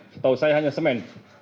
setahu saya hanya semen